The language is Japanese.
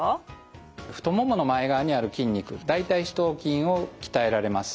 太ももの前側にある筋肉大腿四頭筋を鍛えられます。